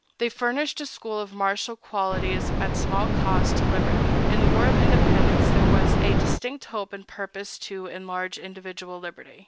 They furnished a school of martial qualities at small cost to liberty. In the War of Independence there was a distinct hope and purpose to enlarge individual liberty.